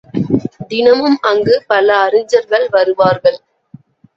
தினமும் அங்கு பல அறிஞர்கள் வருவார்கள்.